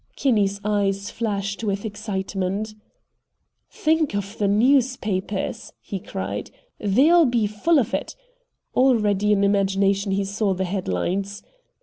Kinney's eyes flashed with excitement. "Think of the newspapers," he cried; "they'll be full of it!" Already in imagination he saw the headlines.